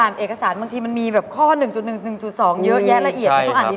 เอกสารบางทีมันมีแบบข้อ๑๑๑๒เยอะแยะละเอียดมันต้องอ่านดี